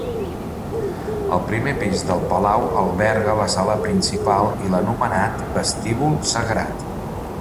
El primer pis del palau alberga la sala principal i l'anomenat Vestíbul Sagrat.